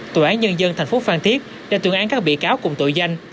tổ án nhân dân tp phan thiết đã tưởng án các bị cáo cùng tội danh